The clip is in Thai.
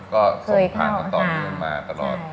ก็ส่งผ่านตอนนี้มาตลอด